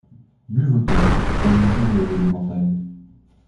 Buvotant, elle jouait de l'éventail.